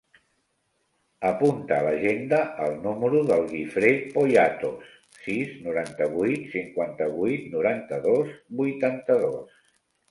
Apunta a l'agenda el número del Guifré Poyatos: sis, noranta-vuit, cinquanta-vuit, noranta-dos, vuitanta-dos.